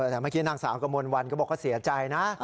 แต่เมื่อกี้นางสาวกระมวลวันก็บอกว่าเสียใจนะ